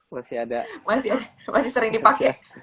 masih sering dipakai